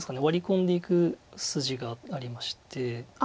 ワリ込んでいく筋がありまして。